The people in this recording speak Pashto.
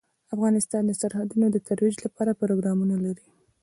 افغانستان د سرحدونه د ترویج لپاره پروګرامونه لري.